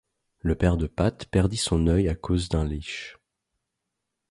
Le père de Pat perdit son œil à cause d'un leash.